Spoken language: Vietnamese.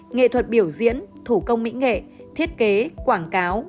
nghệ thuật biểu diễn thủ công mỹ nghệ thiết kế quảng cáo